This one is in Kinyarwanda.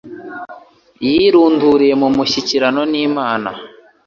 Yirunduriye mu mushyikirano n’Imana,